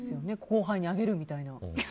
後輩にあげるみたいな。